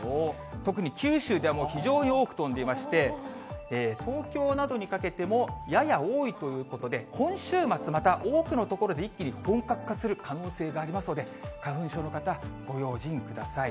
特に、九州ではもう非常に多く飛んでいまして、東京などにかけても、やや多いということで、今週末、また多くの所で一気に本格化する可能性がありますので、花粉症の方、ご用心ください。